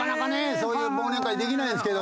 そういう忘年会できないですけど。